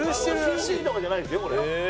ＣＧとかじゃないですよこれ。